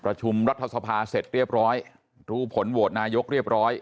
ประชุมรัฐสภาเสร็จเรียบร้อยรู้ผลโหวตนายกเรียบร้อย